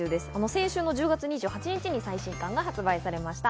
先週、１０月２８日に最新巻が発売されました。